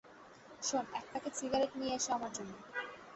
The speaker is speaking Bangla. শোন, এক প্যাকেট সিগারেট নিয়ে এস আমার জন্যে।